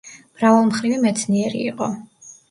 მრავალმხრივი მეცნიერი იყო.